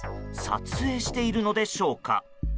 撮影しているのでしょうか？